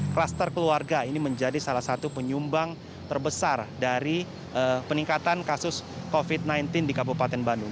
kluster keluarga ini menjadi salah satu penyumbang terbesar dari peningkatan kasus covid sembilan belas di kabupaten bandung